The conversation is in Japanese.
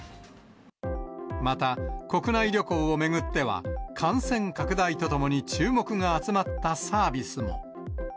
また、国内旅行を巡っては、感染拡大とともに注目が集まったサービスも。